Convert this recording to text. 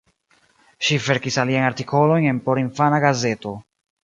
Ŝi verkis aliajn artikolojn en porinfana gazeto.